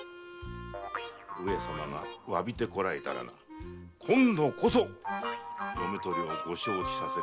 上様が詫びてこられたら今度こそ嫁取りをご承知させるつもりじゃ。